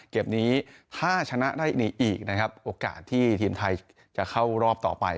เกมนี้ถ้าชนะได้ในอีกนะครับโอกาสที่ทีมไทยจะเข้ารอบต่อไป